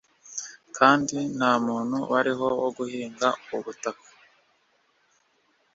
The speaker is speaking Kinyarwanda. kandi nta muntu wariho wo guhinga ubutaka